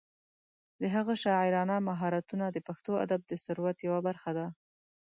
د هغه شاعرانه مهارتونه د پښتو ادب د ثروت یوه برخه ده.